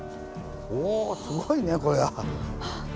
おすごいねこれは。